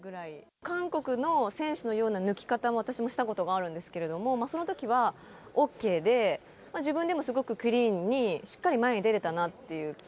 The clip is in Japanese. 韓国の選手のような抜き方を、私もしたことがあるんですけれども、そのときはＯＫで、自分でもすごくクリーンに、しっかり前に出れたなっていう。